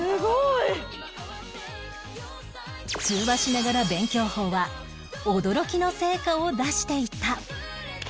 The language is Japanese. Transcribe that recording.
「通話しながら勉強法」は驚きの成果を出していた